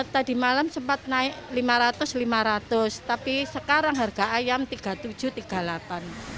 tadi malam sempat naik rp lima ratus rp lima ratus tapi sekarang harga ayam rp tiga puluh tujuh rp tiga puluh delapan